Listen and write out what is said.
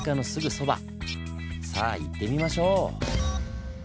さあ行ってみましょう！